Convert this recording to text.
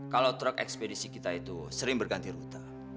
kalau truk ekspedisi kita itu sering berganti rute